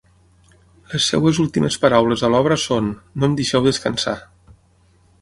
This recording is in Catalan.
Les seves últimes paraules a l’obra són: ’No em deixeu descansar.